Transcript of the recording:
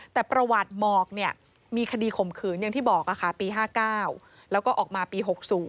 แต่ประวัติหมอกมีคดีข่มขืนอย่างที่บอกปี๕๙แล้วก็ออกมาปี๖๐